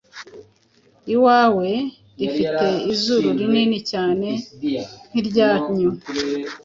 Iwawe rifite izuru rinini cyane nk'iryanyu;